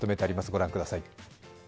ご覧ください。